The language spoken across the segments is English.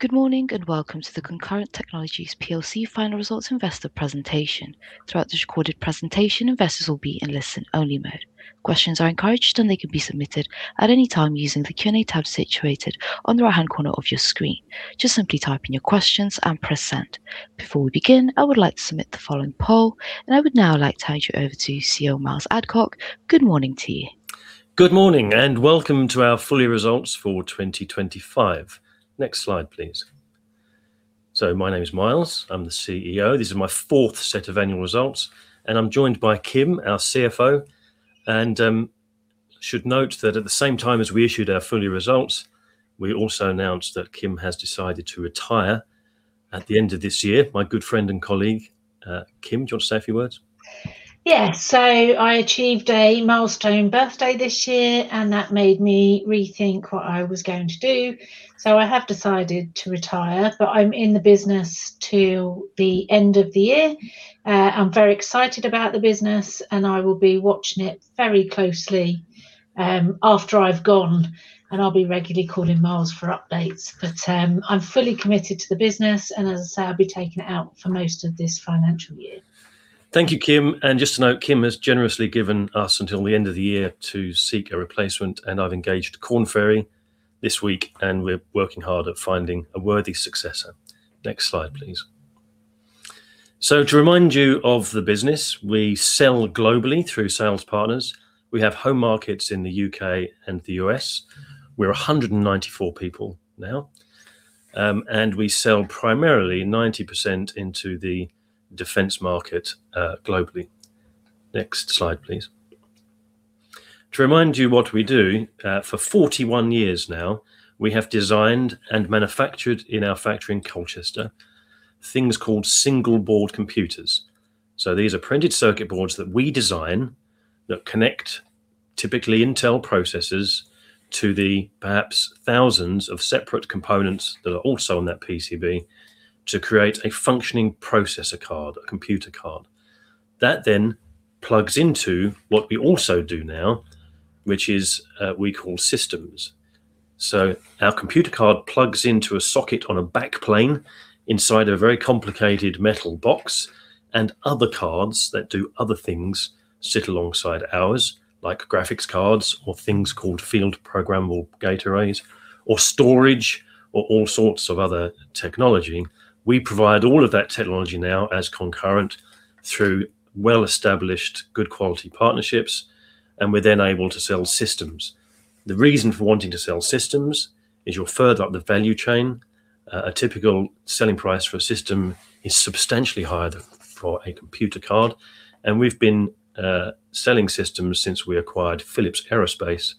Good morning and welcome to the Concurrent Technologies Plc final results investor presentation. Throughout this recorded presentation, investors will be in listen-only mode. Questions are encouraged, and they can be submitted at any time using the Q&A tab situated on the right-hand corner of your screen. Just simply type in your questions and press send. Before we begin, I would like to submit the following poll, and I would now like to hand you over to CEO Miles Adcock. Good morning to you. Good morning and welcome to our full-year results for 2025. Next slide, please. My name is Miles, I'm the CEO. This is my fourth set of annual results, and I'm joined by Kim, our CFO. I should note that at the same time as we issued our full-year results, we also announced that Kim has decided to retire at the end of this year. My good friend and colleague. Kim, do you want to say a few words? Yeah. I achieved a milestone birthday this year, and that made me rethink what I was going to do. I have decided to retire, but I'm in the business till the end of the year. I'm very excited about the business, and I will be watching it very closely after I've gone, and I'll be regularly calling Miles for updates. I'm fully committed to the business, and as I say, I'll be taking it out for most of this financial year. Thank you, Kim. Just to note, Kim has generously given us until the end of the year to seek a replacement, and I've engaged Korn Ferry this week, and we're working hard at finding a worthy successor. Next slide, please. To remind you of the business, we sell globally through sales partners. We have home markets in the U.K. and the U.S. We're 194 people now. We sell primarily 90% into the defense market globally. Next slide, please. To remind you what we do, for 41 years now, we have designed and manufactured in our factory in Colchester things called Single Board Computers. These are printed circuit boards that we design that connect typically Intel processors to the perhaps thousands of separate components that are also on that PCB to create a functioning processor card, a computer card. That then plugs into what we also do now, which is we call Systems. Our computer card plugs into a socket on a backplane inside a very complicated metal box. And other cards that do other things sit alongside ours, like graphics cards or things called field programmable gate arrays, or storage, or all sorts of other technology. We provide all of that technology now as Concurrent through well-established good quality partnerships, and we're then able to sell Systems. The reason for wanting to sell Systems is you're further up the value chain. A typical selling price for a system is substantially higher for a computer card. We've been selling Systems since we acquired Phillips Aerospace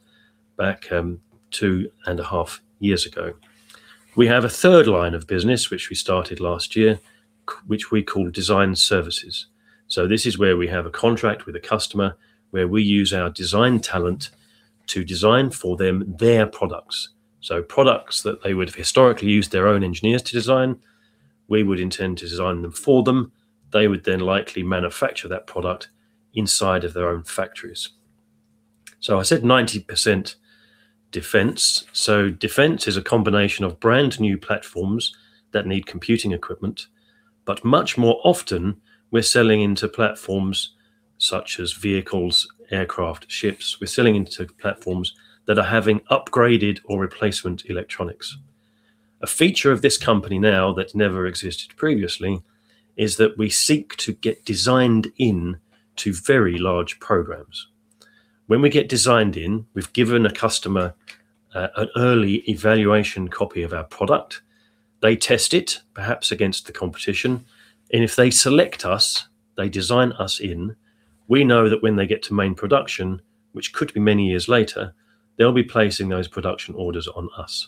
back 2.5 years ago. We have a third line of business which we started last year, which we call Design Services. This is where we have a contract with a customer where we use our design talent to design for them their products. Products that they would have historically used their own engineers to design, we would intend to design them for them. They would then likely manufacture that product inside of their own factories. I said 90% defense. Defense is a combination of brand-new platforms that need computing equipment, but much more often we're selling into platforms such as vehicles, aircraft, ships. We're selling into platforms that are having upgraded or replacement electronics. A feature of this company now that never existed previously is that we seek to get designed in to very large programs. When we get designed in, we've given a customer an early evaluation copy of our product. They test it, perhaps against the competition, and if they select us, they design us in. We know that when they get to main production, which could be many years later, they'll be placing those production orders on us.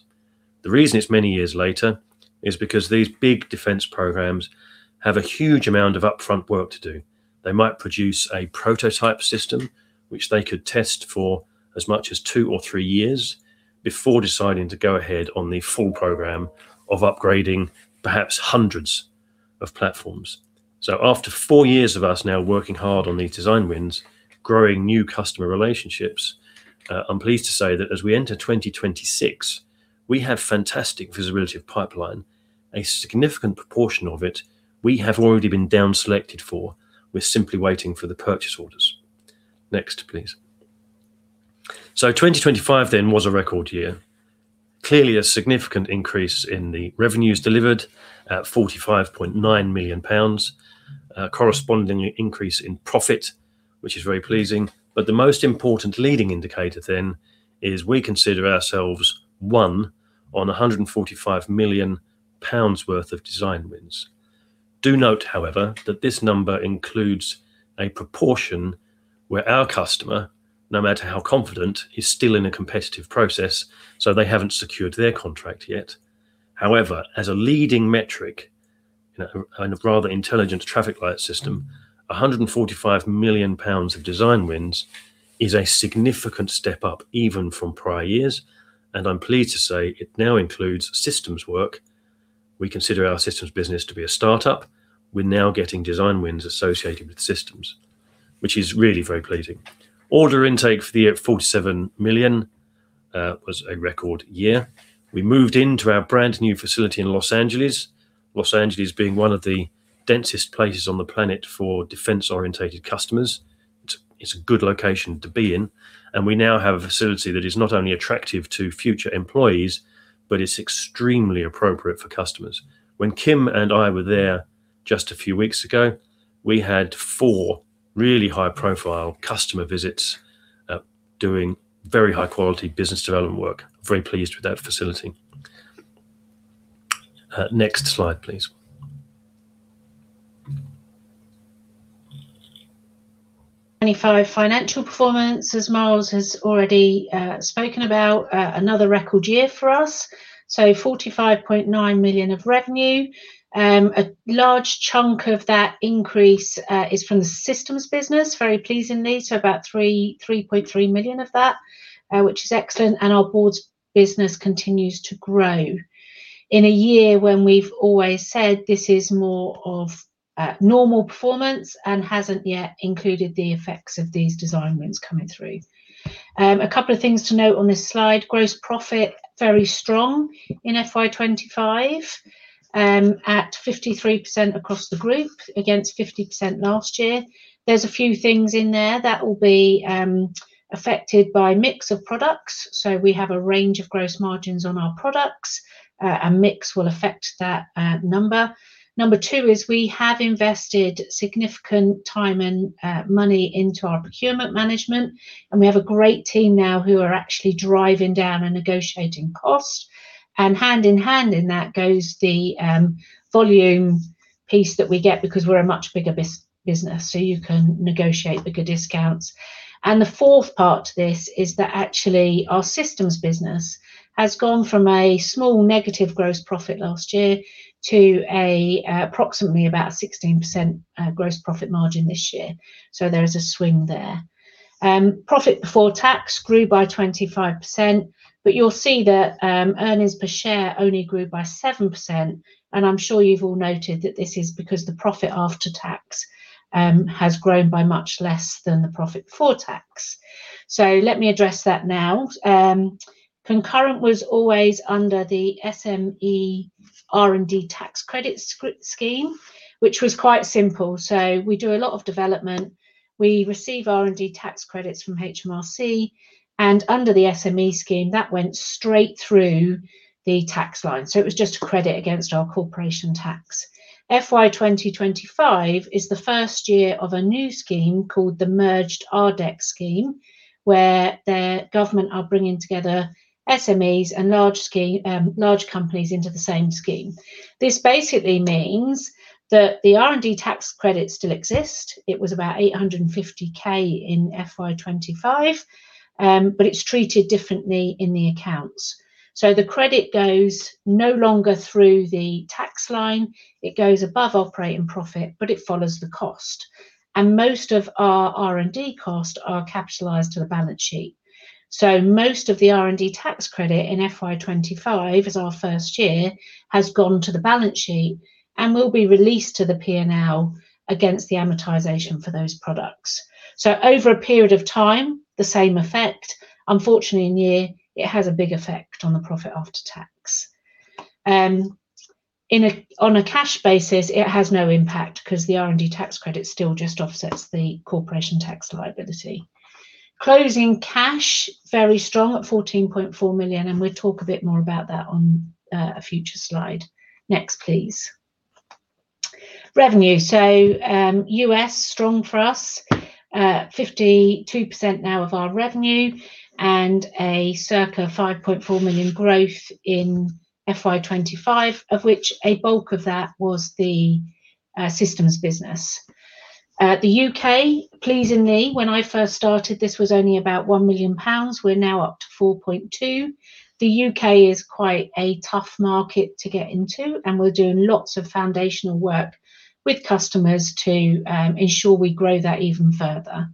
The reason it's many years later is because these big defense programs have a huge amount of upfront work to do. They might produce a prototype system, which they could test for as much as two years or three years before deciding to go ahead on the full program of upgrading perhaps hundreds of platforms. After four years of us now working hard on these design wins, growing new customer relationships. I'm pleased to say that as we enter 2026, we have fantastic visibility of pipeline. A significant proportion of it we have already been down selected for. We're simply waiting for the purchase orders. Next, please. 2025 then was a record year. Clearly a significant increase in the revenues delivered at 45.9 million pounds. A corresponding increase in profit, which is very pleasing. The most important leading indicator then is we consider ourselves won on 145 million pounds worth of design wins. Do note, however, that this number includes a proportion where our customer, no matter how confident, is still in a competitive process, so they haven't secured their contract yet. However, as a leading metric in a rather intelligent traffic light system, 145 million pounds of design wins is a significant step up even from prior years, and I'm pleased to say it now includes Systems work. We consider our Systems business to be a startup. We're now getting design wins associated with Systems, which is really very pleasing. Order intake for the year at 47 million was a record year. We moved into our brand new facility in Los Angeles. Los Angeles being one of the densest places on the planet for defense-oriented customers. It's a good location to be in, and we now have a facility that is not only attractive to future employees, but it's extremely appropriate for customers. When Kim and I were there just a few weeks ago, we had four really high-profile customer visits doing very high-quality business development work. Very pleased with that facility. Next slide, please. FY 2025 financial performance, as Miles has already spoken about, another record year for us. 45.9 million of revenue. A large chunk of that increase is from the Systems business, very pleasingly, about 3.3 million of that, which is excellent. Our Boards business continues to grow in a year when we've always said this is more of a normal performance and hasn't yet included the effects of these design wins coming through. A couple of things to note on this slide. Gross profit, very strong in FY 2025, at 53% across the group against 50% last year. There are a few things in there that will be affected by mix of products. We have a range of gross margins on our products. A mix will affect that number. Number two is we have invested significant time and money into our procurement management, and we have a great team now who are actually driving down and negotiating cost. Hand-in-hand in that goes the volume piece that we get because we're a much bigger business, so you can negotiate bigger discounts. The fourth part to this is that actually our Systems business has gone from a small negative gross profit last year to approximately about 16% gross profit margin this year. There is a swing there. Profit before tax grew by 25%, but you'll see that earnings per share only grew by 7%. And I'm sure you've all noted that this is because the profit after tax has grown by much less than the profit for tax. Let me address that now. Concurrent was always under the SME R&D tax credit scheme, which was quite simple. We do a lot of development. We receive R&D tax credits from HMRC, and under the SME scheme, that went straight through the tax line. It was just a credit against our corporation tax. FY 2025 is the first year of a new scheme called the merged RDEC scheme, where the government are bringing together SMEs and large companies into the same scheme. This basically means that the R&D tax credits still exist. It was about 850,000 in FY 2025, but it's treated differently in the accounts. The credit goes no longer through the tax line. It goes above operating profit, but it follows the cost. Most of our R&D cost are capitalized to the balance sheet. Most of the R&D tax credit in FY 2025 as our first year has gone to the balance sheet and will be released to the P&L against the amortization for those products. Over a period of time, the same effect, unfortunately, in year, it has a big effect on the profit after tax. On a cash basis, it has no impact because the R&D tax credit still just offsets the corporation tax liability. Closing cash, very strong at 14.4 million, and we'll talk a bit more about that on a future slide. Next, please. Revenue. So U.S., strong for us. 52% now of our revenue and a circa 5.4 million growth in FY 2025, of which a bulk of that was the Systems business. The U.K., pleasingly, when I first started, this was only about 1 million pounds. We're now up to 4.2 million. The U.K. is quite a tough market to get into, and we're doing lots of foundational work with customers to ensure we grow that even further.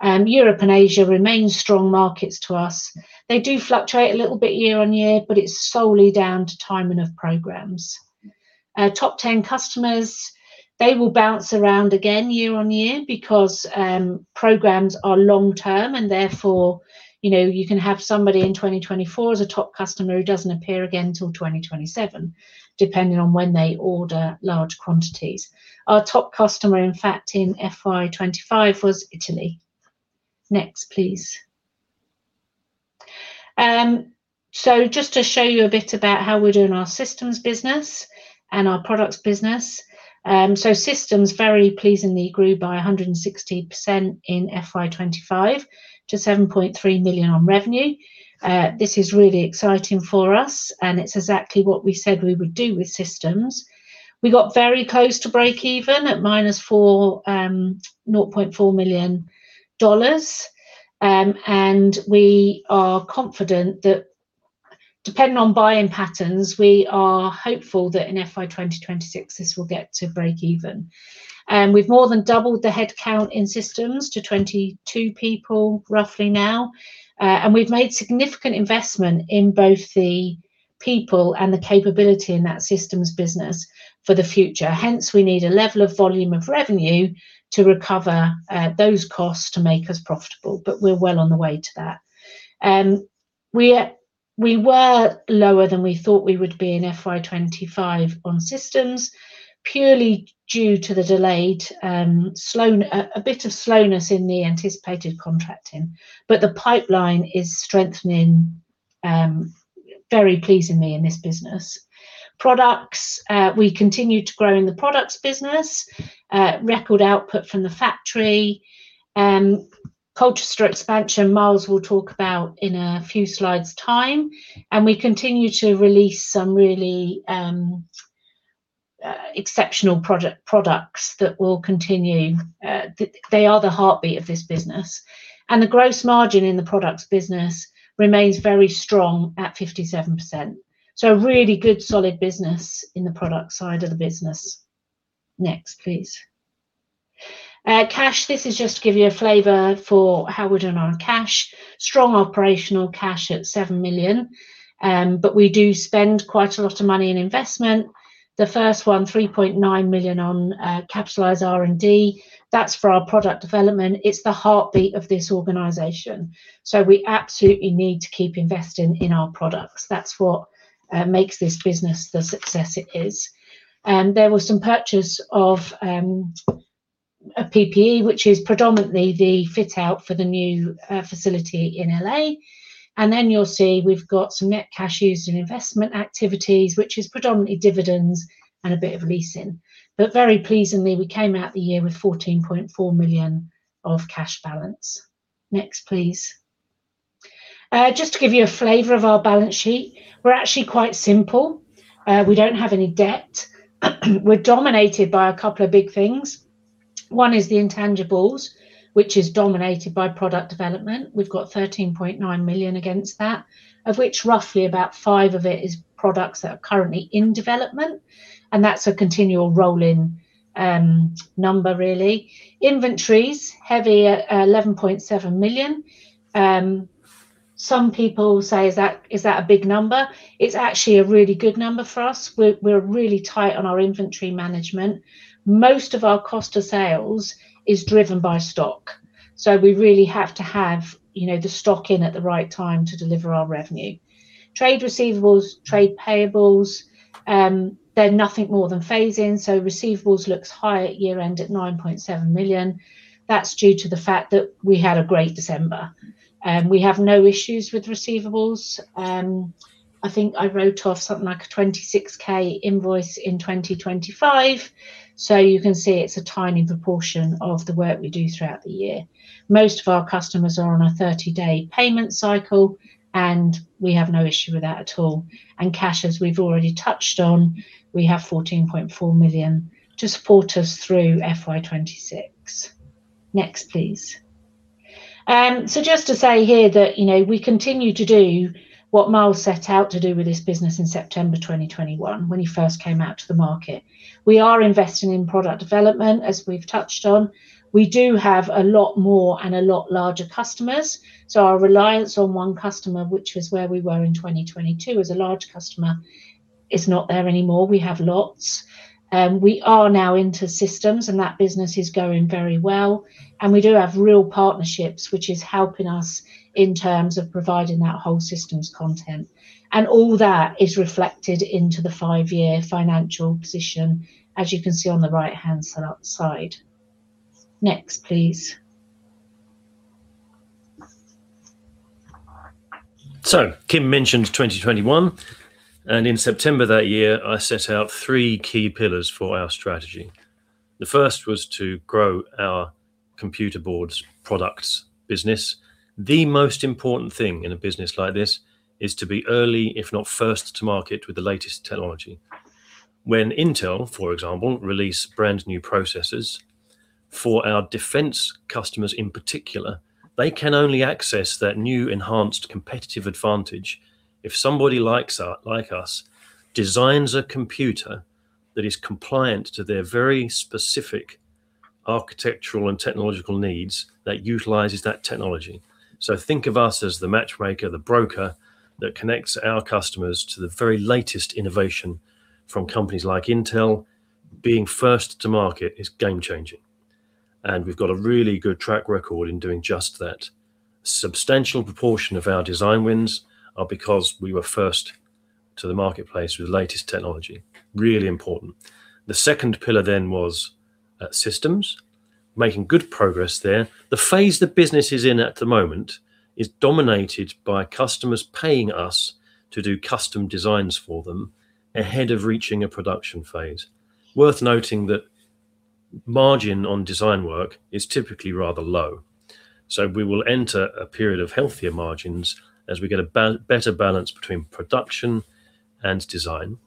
Europe and Asia remain strong markets to us. They do fluctuate a little bit year-over-year, but it's solely down to timing of programs. Top 10 customers, they will bounce around again year-over-year because programs are long-term, and therefore, you can have somebody in 2024 as a top customer who doesn't appear again till 2027. Depending on when they order large quantities. Our top customer, in fact, in FY 2025 was Italy. Next, please. Just to show you a bit about how we're doing our Systems business and our products business. Systems very pleasingly grew by 160% in FY 2025 to 7.3 million on revenue. This is really exciting for us, and it's exactly what we said we would do with Systems. We got very close to breakeven at -$4.4 million. We are confident that depending on buying patterns, we are hopeful that in FY 2026, this will get to breakeven. We've more than doubled the headcount in Systems to 22 people roughly now. We've made significant investment in both the people and the capability in that Systems business for the future. Hence, we need a level of volume of revenue to recover those costs to make us profitable, but we're well on the way to that. We were lower than we thought we would be in FY 2025 on Systems purely due to the delayed, a bit of slowness in the anticipated contracting. The pipeline is strengthening very pleasingly in this business. Products, we continue to grow in the Products business. Record output from the factory and Colchester expansion, Miles will talk about in a few slides' time. We continue to release some really exceptional products that will continue. They are the heartbeat of this business. The gross margin in the products business remains very strong at 57%. A really good, solid business in the product side of the business. Next, please. Cash. This is just to give you a flavor for how we're doing on cash. Strong operational cash at 7 million, but we do spend quite a lot of money in investment. The first one, 3.9 million on capitalized R&D. That's for our product development. It's the heartbeat of this organization. We absolutely need to keep investing in our products. That's what makes this business the success it is. There was some purchase of PPE, which is predominantly the fit-out for the new facility in L.A. Then you'll see we've got some net cash used in investment activities, which is predominantly dividends and a bit of leasing. Very pleasingly, we came out of the year with 14.4 million of cash balance. Next, please. Just to give you a flavor of our balance sheet, we're actually quite simple. We don't have any debt. We're dominated by a couple of big things. One is the intangibles, which is dominated by product development. We've got 13.9 million against that, of which roughly about five of it is products that are currently in development, and that's a continual roll-in number really. Inventories, heavy at 11.7 million. Some people say, is that a big number? It's actually a really good number for us. We're really tight on our inventory management. Most of our cost of sales is driven by stock, so we really have to have the stock in at the right time to deliver our revenue. Trade receivables, trade payables, they're nothing more than phasing. Receivables looks high at year-end at 9.7 million. That's due to the fact that we had a great December. We have no issues with receivables. I think I wrote off something like a 26,000 invoice in 2025. You can see it's a tiny proportion of the work we do throughout the year. Most of our customers are on a 30-day payment cycle, and we have no issue with that at all. Cash, as we've already touched on, we have 14.4 million to support us through FY 2026. Next, please. Just to say here that we continue to do what Miles set out to do with this business in September 2021, when he first came out to the market. We are investing in product development, as we've touched on. We do have a lot more and a lot larger customers. Our reliance on one customer, which was where we were in 2022 as a large customer, is not there anymore. We have lots. We are now into Systems, and that business is going very well. We do have real partnerships, which is helping us in terms of providing that whole systems content. All that is reflected into the five-year financial position, as you can see on the right-hand side. Next, please. Kim mentioned 2021, and in September that year, I set out three key pillars for our strategy. The first was to grow our Computer Boards Products business. The most important thing in a business like this is to be early, if not first to market with the latest technology. When Intel, for example, release brand-new processors, for our defense customers in particular, they can only access that new enhanced competitive advantage if somebody like us designs a computer that is compliant to their very specific architectural and technological needs that utilizes that technology. Think of us as the matchmaker, the broker that connects our customers to the very latest innovation from companies like Intel. Being first to market is game-changing, and we've got a really good track record in doing just that. A substantial proportion of our design wins are because we were first to the marketplace with the latest technology. Really important. The second pillar then was Systems. Making good progress there. The phase the business is in at the moment is dominated by customers paying us to do custom designs for them ahead of reaching a production phase. Worth noting that margin on design work is typically rather low. We will enter a period of healthier margins as we get a better balance between production and design.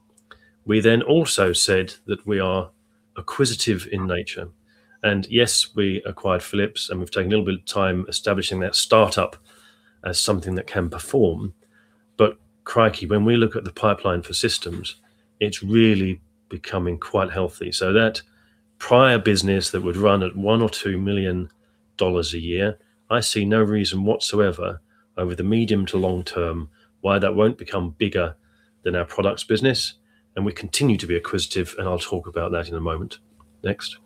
We then also said that we are acquisitive in nature. Yes, we acquired Phillips, and we've taken a little bit of time establishing that startup as something that can perform. Crikey, when we look at the pipeline for Systems, it's really becoming quite healthy. That prior business that would run at $1 million or $2 million a year, I see no reason whatsoever over the medium to long term why that won't become bigger than our products business. We continue to be acquisitive, and I'll talk about that in a moment. Next.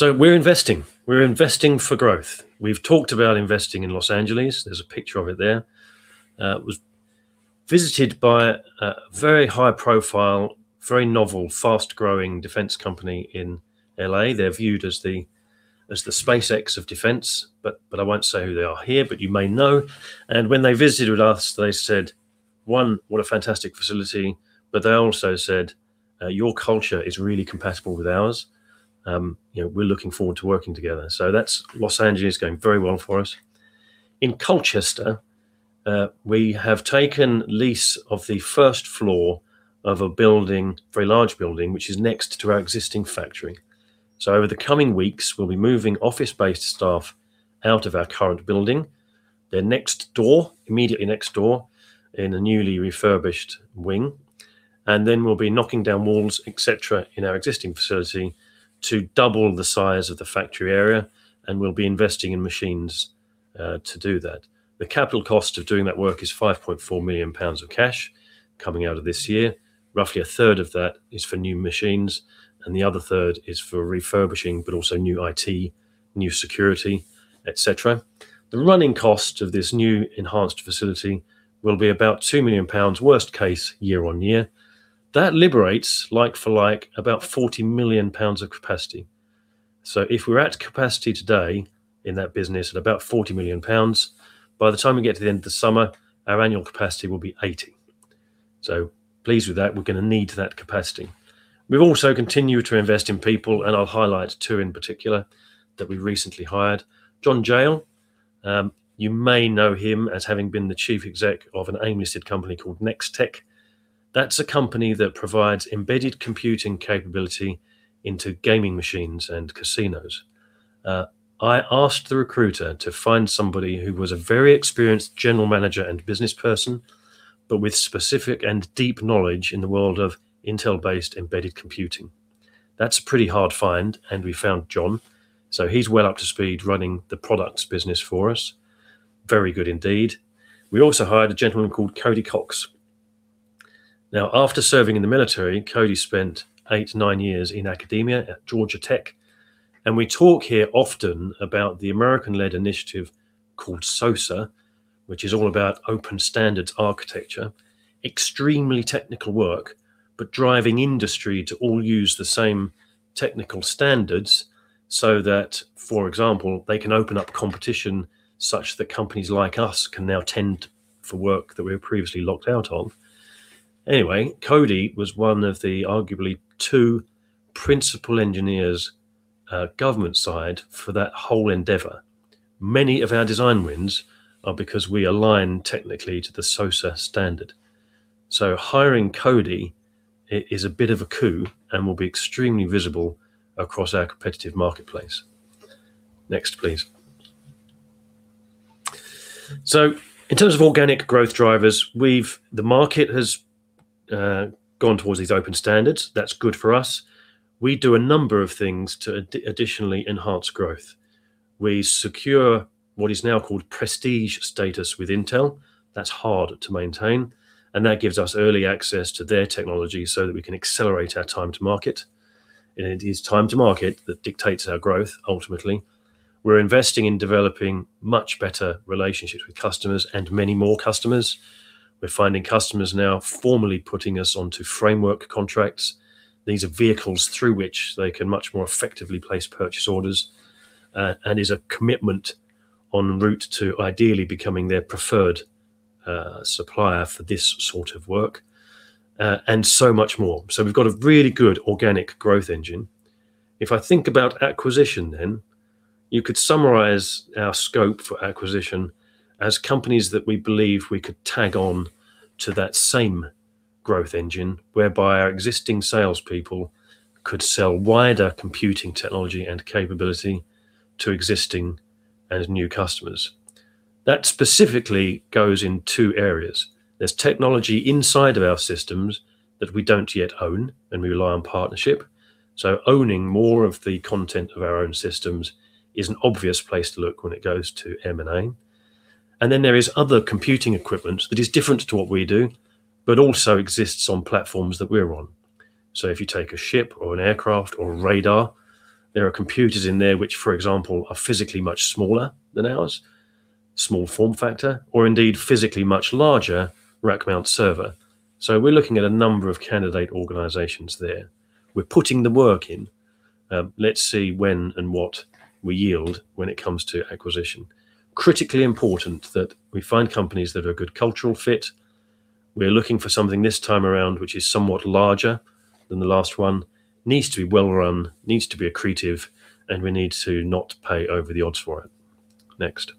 We're investing. We're investing for growth. We've talked about investing in Los Angeles. There's a picture of it there. It was visited by a very high profile, very novel, fast-growing defense company in L.A. They're viewed as the SpaceX of Defense, but I won't say who they are here, but you may know. When they visited with us, they said, one, what a fantastic facility. They also said, your culture is really compatible with ours. We're looking forward to working together. That's Los Angeles going very well for us. In Colchester, we have taken lease of the first floor of a building, very large building, which is next to our existing factory. Over the coming weeks, we'll be moving office-based staff out of our current building. They're next door, immediately next door in a newly refurbished wing. Then we'll be knocking down walls, et cetera, in our existing facility to double the size of the factory area, and we'll be investing in machines to do that. The capital cost of doing that work is 5.4 million pounds of cash coming out of this year. Roughly 1/3 of that is for new machines, and the other 1/3 is for refurbishing, but also new IT, new security, et cetera. The running cost of this new enhanced facility will be about 2 million pounds, worst case, year-on-year. That liberates, like for like, about 40 million pounds of capacity. If we're at capacity today in that business at about 40 million pounds, by the time we get to the end of the summer, our annual capacity will be 80 million. Pleased with that. We're going to need that capacity. We've also continued to invest in people, and I'll highlight two in particular that we recently hired. Jon Jayal, you may know him as having been the Chief Exec of an AIM-listed company called Nexteq. That's a company that provides embedded computing capability into gaming machines and casinos. I asked the recruiter to find somebody who was a very experienced general manager and business person, but with specific and deep knowledge in the world of Intel-based embedded computing. That's a pretty hard find, and we found Jon. He's well up to speed running the products business for us. Very good indeed. We also hired a gentleman called Cody Cox. Now, after serving in the military, Cody spent 8 years-9 years in academia at Georgia Tech. We talk here often about the American-led initiative called SOSA, which is all about Open Standards Architecture. Extremely technical work, but driving industry to all use the same technical standards so that, for example, they can open up competition such that companies like us can now tender for work that we were previously locked out of. Anyway, Cody was one of the arguably two principal engineers, government side, for that whole endeavor. Many of our design wins are because we align technically to the SOSA standard. Hiring Cody is a bit of a coup and will be extremely visible across our competitive marketplace. Next, please. In terms of organic growth drivers, the market has gone towards these open standards. That's good for us. We do a number of things to additionally enhance growth. We secure what is now called Prestige status with Intel. That's hard to maintain, and that gives us early access to their technology so that we can accelerate our time to market. It is time to market that dictates our growth, ultimately. We're investing in developing much better relationships with customers and many more customers. We're finding customers now formally putting us onto framework contracts. These are vehicles through which they can much more effectively place purchase orders, and is a commitment en route to ideally becoming their preferred supplier for this sort of work, and so much more. We've got a really good organic growth engine. If I think about acquisition, you could summarize our scope for acquisition as companies that we believe we could tack on to that same growth engine, whereby our existing salespeople could sell wider computing technology and capability to existing and new customers. That specifically goes in two areas. There's technology inside of our Systems that we don't yet own and we rely on partnership. Owning more of the content of our own Systems is an obvious place to look when it comes to M&A. There is other computing equipment that is different to what we do, but also exists on platforms that we're on. If you take a ship or an aircraft or radar, there are computers in there which, for example, are physically much smaller than ours, small form factor, or indeed physically much larger rack-mount server. We're looking at a number of candidate organizations there. We're putting the work in. Let's see when and what we yield when it comes to acquisition. Critically important that we find companies that are a good cultural fit. We're looking for something this time around, which is somewhat larger than the last one. Needs to be well run, needs to be accretive, and we need to not pay over the odds for it. Next.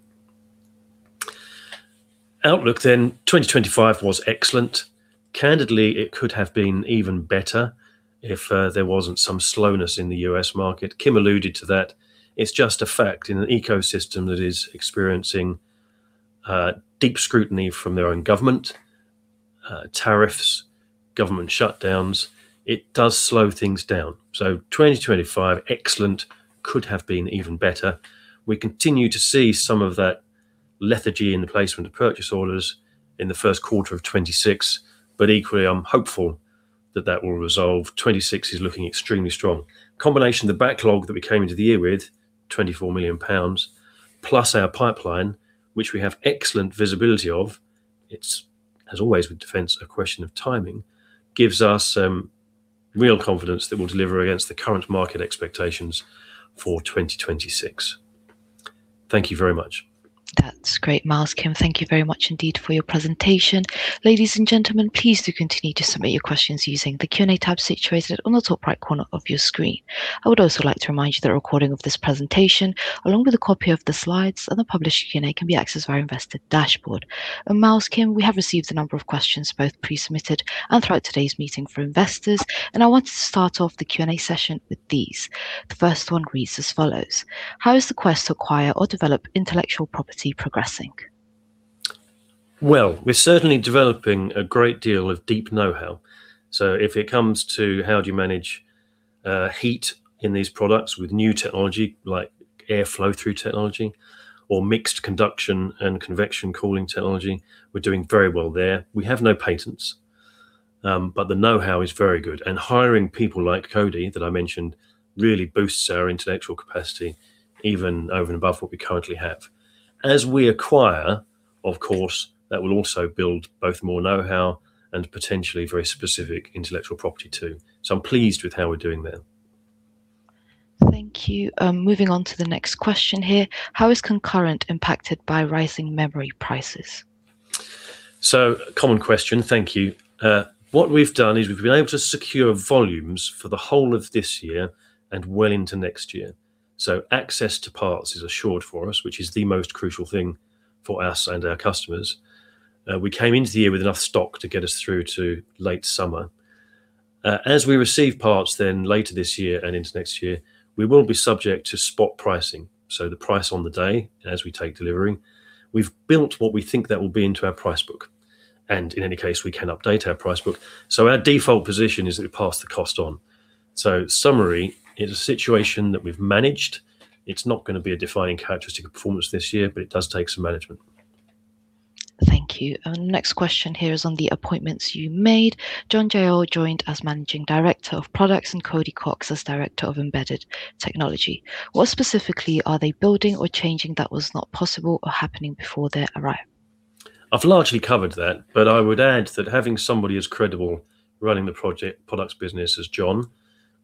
Outlook then, 2025 was excellent. Candidly, it could have been even better if there wasn't some slowness in the U.S. market. Kim alluded to that. It's just a fact in an ecosystem that is experiencing deep scrutiny from their own government, tariffs, government shutdowns, it does slow things down. 2025, excellent, could have been even better. We continue to see some of that lethargy in the placement of purchase orders in the first quarter of 2026. Equally, I'm hopeful that that will resolve. 2026 is looking extremely strong. Combination of the backlog that we came into the year with, 24 million pounds, plus our pipeline, which we have excellent visibility of, it's, as always with defense, a question of timing, gives us real confidence that we'll deliver against the current market expectations for 2026. Thank you very much. That's great, Miles and Kim, thank you very much indeed for your presentation. Ladies and gentlemen please do continue to submit your questions using the Q&A tab situated on the top right corner of your screen. I would also like to remind you that a recording of this presentation, along with a copy of the slides and the published Q&A, can be accessed via Investor Dashboard. Miles can we have received a number of questions, both pre-submitted and throughout today's meeting for investors. And I want to start off the Q&A session with these. The first one reads as follows: How is the quest to acquire or develop intellectual property progressing? Well, we're certainly developing a great deal of deep know-how. If it comes to how do you manage heat in these products with new technology like Air Flow-Through technology or Mixed Conduction and Convection Cooling technology, we're doing very well there. We have no patents, but the know-how is very good, and hiring people like Cody, that I mentioned, really boosts our intellectual capacity even over and above what we currently have. As we acquire, of course, that will also build both more know-how and potentially very specific intellectual property too. I'm pleased with how we're doing there. Thank you. Moving on to the next question here. How is Concurrent impacted by rising memory prices? Common question. Thank you. What we've done is we've been able to secure volumes for the whole of this year and well into next year. Access to parts is assured for us, which is the most crucial thing for us and our customers. We came into the year with enough stock to get us through to late summer. As we receive parts then later this year and into next year, we will be subject to spot pricing, so the price on the day as we take delivery. We've built what we think that will be into our price book. In any case, we can update our price book. Our default position is that we pass the cost on. Summary, in a situation that we've managed, it's not going to be a defining characteristic of performance this year, but it does take some management. Thank you. Next question here is on the appointments you made. Jon Jayal joined as Managing Director of Products, and Cody Cox as Director of Embedded Technology. What specifically are they building or changing that was not possible or happening before their arrival? I've largely covered that, but I would add that having somebody as credible running the products business as Jon,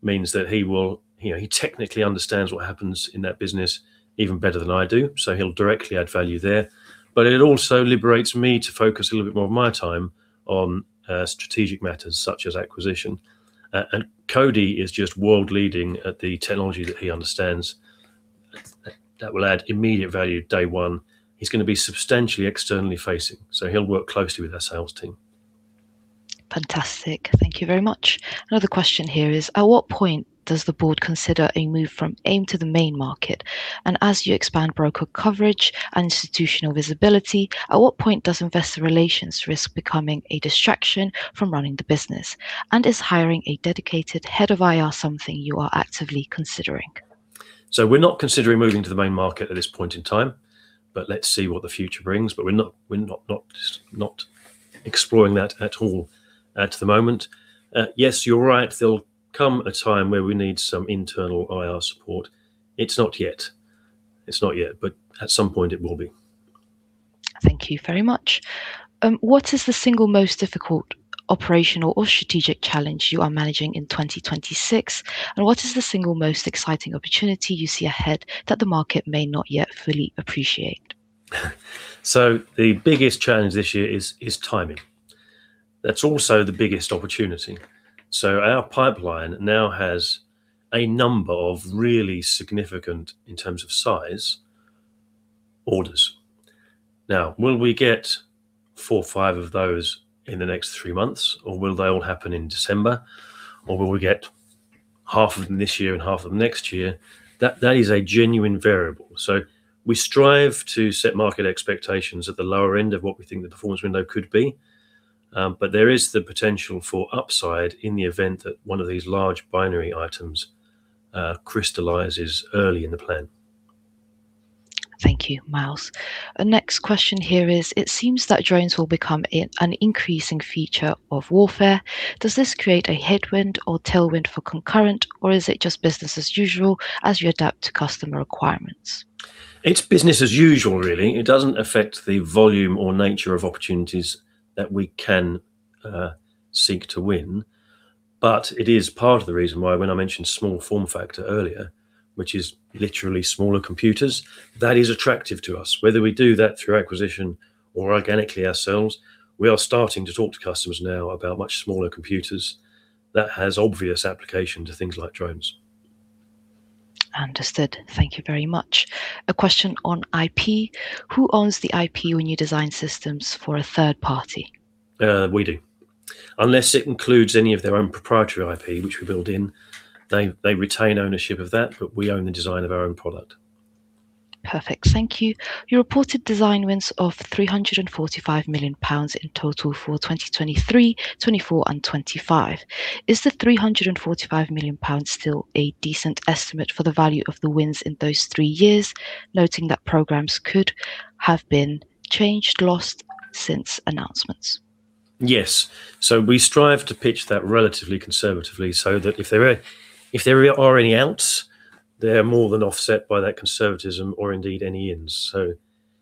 means that he technically understands what happens in that business even better than I do, so he'll directly add value there. It also liberates me to focus a little bit more of my time on strategic matters such as acquisition. Cody is just world leading at the technology that he understands. That will add immediate value day one. He's going to be substantially externally facing, so he'll work closely with our sales team. Fantastic. Thank you very much. Another question here is, at what point does the Board consider a move from AIM to the main market? As you expand broker coverage and institutional visibility, at what point does investor relations risk becoming a distraction from running the business? Is hiring a dedicated Head of IR something you are actively considering? We're not considering moving to the main market at this point in time. Let's see what the future brings. We're not exploring that at all at the moment. Yes, you're right. There'll come a time where we need some internal IR support. It's not yet. At some point it will be. Thank you very much. What is the single most difficult operational or strategic challenge you are managing in 2026? And what is the single most exciting opportunity you see ahead that the market may not yet fully appreciate? The biggest challenge this year is timing. That's also the biggest opportunity. Our pipeline now has a number of really significant, in terms of size, orders. Now, will we get four or five of those in the next three months, or will they all happen in December. Or will we get half of them this year and half of them next year? That is a genuine variable. We strive to set market expectations at the lower end of what we think the performance window could be. There is the potential for upside in the event that one of these large binary items crystallizes early in the plan. Thank you, Miles. Next question here is: It seems that drones will become an increasing feature of warfare. Does this create a headwind or tailwind for Concurrent, or is it just business as usual as you adapt to customer requirements? It's business as usual, really. It doesn't affect the volume or nature of opportunities that we can seek to win. It is part of the reason why when I mentioned small form factor earlier, which is literally smaller computers, that is attractive to us. Whether we do that through acquisition or organically ourselves, we are starting to talk to customers now about much smaller computers that has obvious application to things like drones. Understood. Thank you very much. A question on IP. Who owns the IP when you design systems for a third party? We do. Unless it includes any of their own proprietary IP, which we build in, they retain ownership of that, but we own the design of our own product. Perfect. Thank you. You reported design wins of 345 million pounds in total for 2023, 2024, and 2025. Is the 345 million pounds still a decent estimate for the value of the wins in those three years? Noting that programs could have been changed or lost since announcements? Yes. We strive to pitch that relatively conservatively so that if there are any outs, they are more than offset by that conservatism or indeed any ins.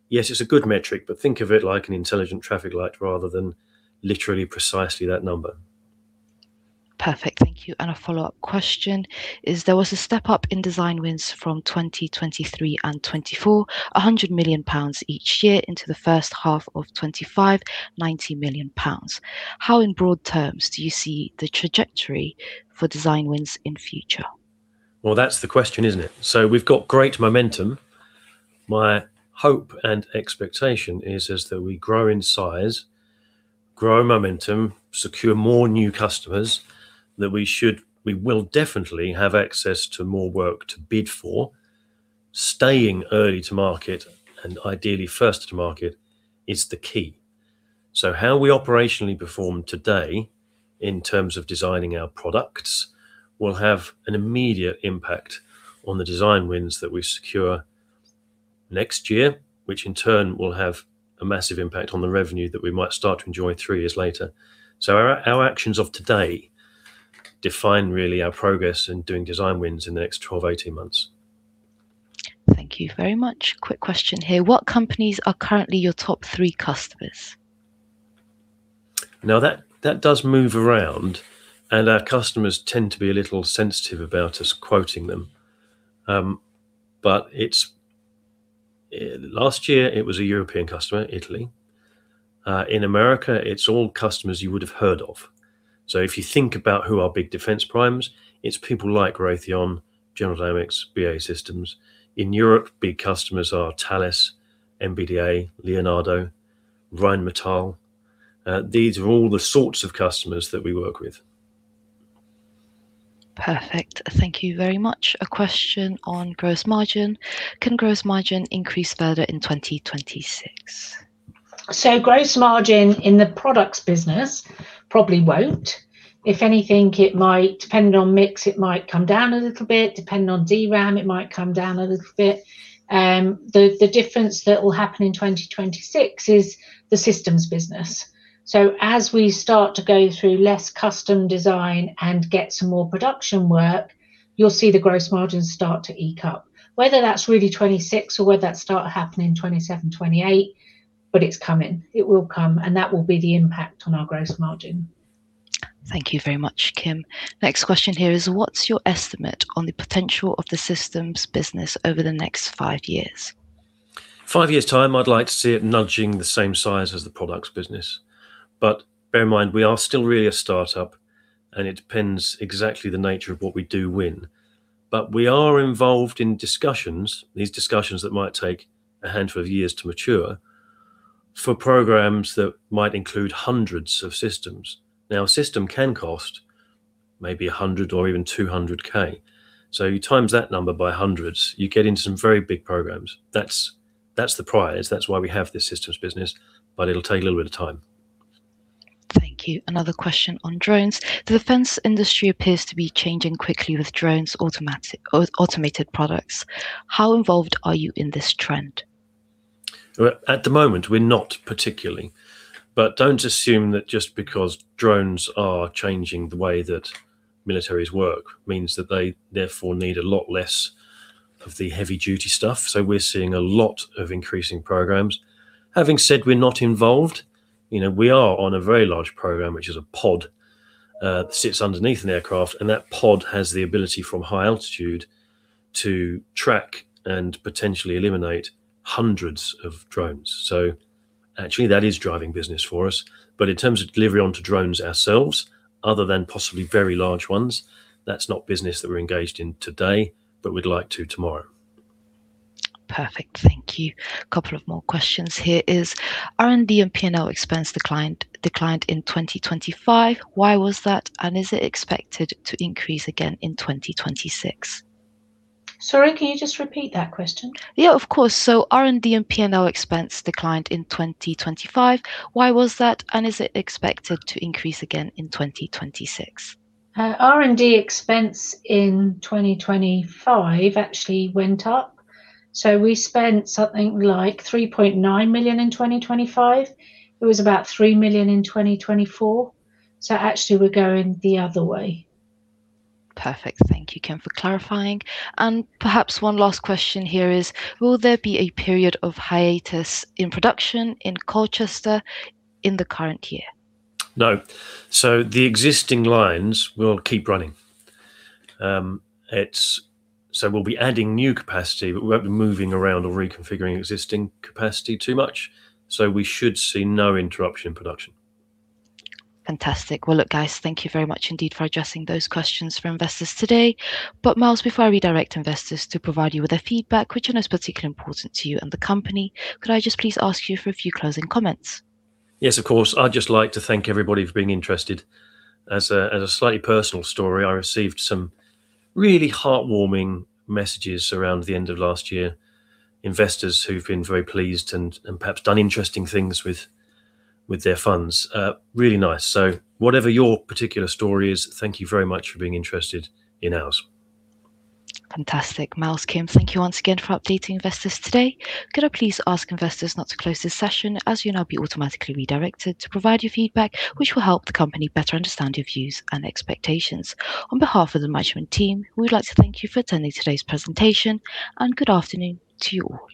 Yes, it's a good metric, but think of it like an intelligent traffic light rather than literally precisely that number. Perfect. Thank you. A follow-up question is: There was a step-up in design wins from 2023 and 2024, 100 million pounds each year into the first half of 2025, 90 million pounds. How, in broad terms, do you see the trajectory for design wins in future? Well, that's the question, isn't it? We've got great momentum. My hope and expectation is that as we grow in size, grow momentum, secure more new customers, that we will definitely have access to more work to bid for. Being early to market and ideally first to market is the key. How we operationally perform today in terms of designing our products will have an immediate impact on the design wins that we secure next year, which in turn will have a massive impact on the revenue that we might start to enjoy three years later. Our actions of today define really our progress in doing design wins in the next 12 months-18 months. Thank you very much. Quick question here. What companies are currently your top three customers? Now, that does move around, and our customers tend to be a little sensitive about us quoting them. Last year it was a European customer, Italy. In America, it's all customers you would have heard of. If you think about who our big defense primes, it's people like Raytheon, General Dynamics, BAE Systems. In Europe, big customers are Thales, MBDA, Leonardo, Rheinmetall. These are all the sorts of customers that we work with. Perfect. Thank you very much. A question on gross margin. Can gross margin increase further in 2026? Gross margin in the Products business probably won't. If anything, depending on mix, it might come down a little bit. Depending on DRAM, it might come down a little bit. The difference that will happen in 2026 is the Systems business. As we start to go through less custom design and get some more production work, you'll see the gross margins start to inch up. Whether that's really 2026 or whether that start happening in 2027, 2028, but it's coming. It will come, and that will be the impact on our gross margin. Thank you very much, Kim. Next question here is: What's your estimate on the potential of the Systems business over the next five years? Five years' time, I'd like to see it nudging the same size as the Products business. Bear in mind, we are still really a start-up, and it depends exactly the nature of what we do win. We are involved in discussions, these discussions that might take a handful of years to mature. For programs that might include hundreds of systems. Now, a system can cost maybe 100,000 or even 200,000. You times that number by hundreds, you get into some very big programs. That's the prize. That's why we have this Systems business, but it'll take a little bit of time. Thank you. Another question on drones. The defense industry appears to be changing quickly with drones, automated products. How involved are you in this trend? At the moment, we're not particularly, but don't assume that just because drones are changing the way that militaries work means that they therefore need a lot less of the heavy duty stuff. We're seeing a lot of increasing programs. Having said we're not involved, we are on a very large program, which is a pod, sits underneath an aircraft, and that pod has the ability from high altitude to track and potentially eliminate hundreds of drones. Actually, that is driving business for us. In terms of delivery onto drones ourselves, other than possibly very large ones, that's not business that we're engaged in today, but we'd like to tomorrow. Perfect. Thank you. Couple of more questions here is: R&D and P&L expense declined in 2025. Why was that, and is it expected to increase again in 2026? Sorry, can you just repeat that question? Yeah, of course. R&D and P&L expense declined in 2025. Why was that, and is it expected to increase again in 2026? R&D expense in 2025 actually went up. We spent something like 3.9 million in 2025. It was about 3 million in 2024. Actually, we're going the other way. Perfect. Thank you, Kim, for clarifying. Perhaps one last question here is: Will there be a period of hiatus in production in Colchester in the current year? No. The existing lines will keep running. We'll be adding new capacity, but we won't be moving around or reconfiguring existing capacity too much. We should see no interruption in production. Fantastic. Well, look, guys, thank you very much indeed for addressing those questions from investors today. Miles, before I redirect investors to provide you with their feedback, which I know is particularly important to you and the company. Could I just please ask you for a few closing comments? Yes, of course. I'd just like to thank everybody for being interested. As a slightly personal story, I received some really heartwarming messages around the end of last year. Investors who've been very pleased and perhaps done interesting things with their funds. Really nice. Whatever your particular story is, thank you very much for being interested in ours. Fantastic. Miles, Kim, thank you once again for updating investors today. Could I please ask investors not to close this session, as you'll now be automatically redirected to provide your feedback, which will help the company better understand your views and expectations. On behalf of the management team, we would like to thank you for attending today's presentation, and good afternoon to you all.